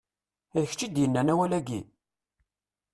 D kečč i d-yennan awal-agi?